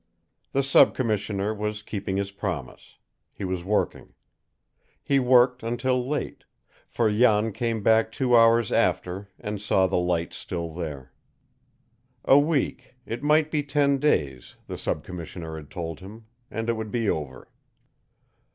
The sub commissioner was keeping his promise. He was working. He worked until late, for Jan came back two hours after and saw the light still there. A week it might be ten days, the sub commissioner had told him, and it would be over.